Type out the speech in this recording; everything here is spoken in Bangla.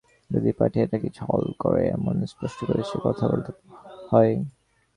যদি পাঠিয়েই থাকি ছল করে, এমন স্পষ্ট করে সে কথা বলতে হয়?